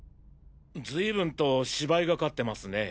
ずいぶんと芝居がかってますね。